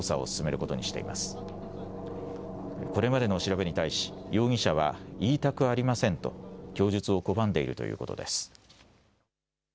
これまでの調べに対し、容疑者は、言いたくありませんと、供述を拒んでいるということです。